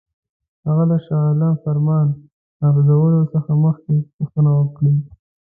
هغه د شاه عالم فرمان نافذولو څخه مخکي پوښتنه وکړي.